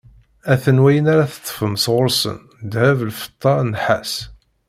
A-t-an wayen ara d-teṭṭfem sɣur-sen: ddheb, lfeṭṭa, nnḥas